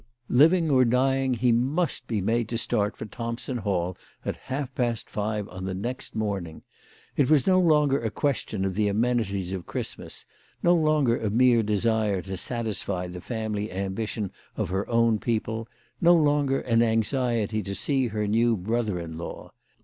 Living or dying he must be made to start for Thompson Hall at half past five on the next morning. It was no longer a question of the amenities of Christmas, no longer a mere desire to satisfy the family ambition of her own people, no longer an anxiety to see her new brother in law.